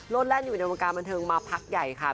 แล่นอยู่ในวงการบันเทิงมาพักใหญ่ค่ะ